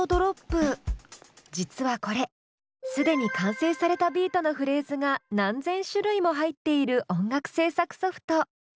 実はこれ既に完成されたビートのフレーズが何千種類も入っている音楽制作ソフト。